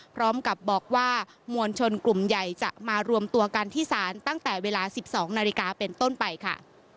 พร้อมกับบอกว่ามวลชนกลุ่มใหญ่จะมารวมตัวกันที่ศาลตั้งแต่เวลา๑๒นาฬิกาเป็นต้นไปค่ะ